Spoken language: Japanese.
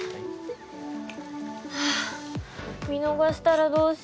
はあ見逃したらどうしよう。